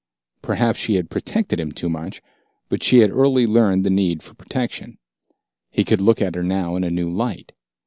Perhaps she had protected him too much but she had early learned the need for protection. He could look at her now in a new light.